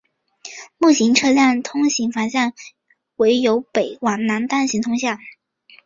目前车辆通行方向为由北往南单向通行。